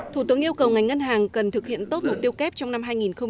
thủ tướng yêu cầu ngành ngân hàng cần thực hiện tốt mục tiêu kép trong năm hai nghìn hai mươi